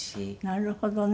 なるほどね。